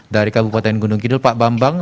dari kabupaten gunung kidul pak bambang